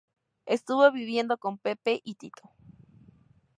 Estuvo viviendo con Pepe y Tito.